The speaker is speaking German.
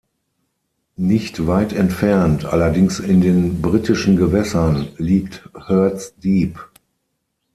Nicht weit entfernt, allerdings in den britischen Gewässern, liegt Hurd’s Deep.